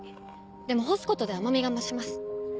でも干すことで甘みが増します。